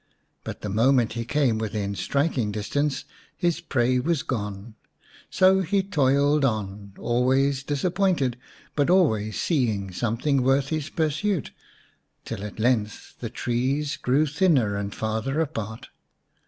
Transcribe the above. But the moment he came within striking distance his prey was gone. So he toiled on, always disappointed, but always seeing something worth his pursuit, till at length the trees grew thinner and farther apart.